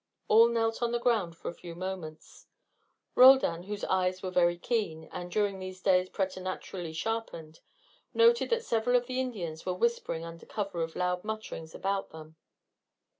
All knelt on the ground for a few moments. Roldan, whose eyes were very keen, and, during these days, preternaturally sharpened, noted that several of the Indians were whispering under cover of the loud mutterings about them.